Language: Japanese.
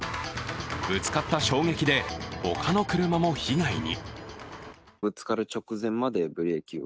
ぶつかった衝撃で、ほかの車も被害に。